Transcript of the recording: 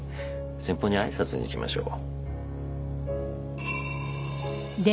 先方に挨拶にいきましょう。